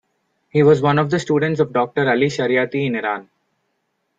He was one of the students of Doctor Ali Shariati in Iran.